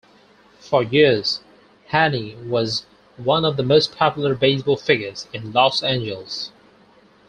For years, Haney was one of the most popular baseball figures in Los Angeles.